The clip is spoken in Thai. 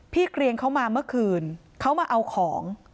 เกรียงเขามาเมื่อคืนเขามาเอาของ